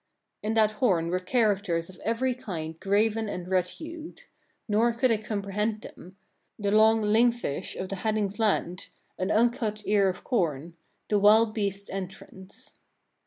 22. In that horn were characters of every kind graven and red hued; nor could I comprehend them: the long lyng fish of the Haddings' land, an uncut ear of corn: the wild beasts' entrance.